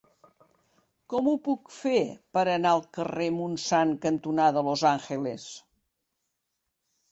Com ho puc fer per anar al carrer Montsant cantonada Los Angeles?